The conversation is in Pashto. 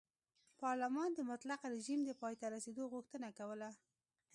پارلمان د مطلقه رژیم د پای ته رسېدو غوښتنه کوله.